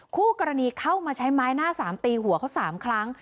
คู่กรณีเข้ามาใช้ไม้หน้าสามตีหัวเขา๓ครั้ง